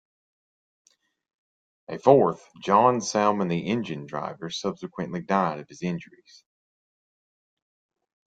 A fourth, John Salmon the engine driver, subsequently died of his injuries.